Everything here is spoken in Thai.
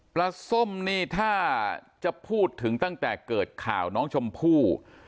ส้มนี่ถ้าจะพูดถึงตั้งแต่เกิดข่าวน้องชมพู่